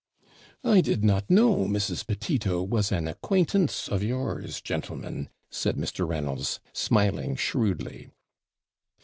'I did not know Mrs. Petito was an acquaintance of yours, gentlemen,' said Mr. Reynolds, smiling shrewdly.